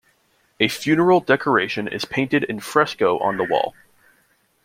A funeral decoration is painted in fresco on the wall.